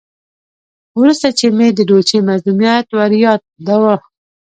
ورسته چې مې د ډولچي مظلومیت وریاداوه.